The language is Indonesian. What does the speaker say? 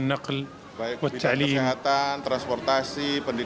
untuk pikir tentang ke supremnitaffle dua ribu dua puluh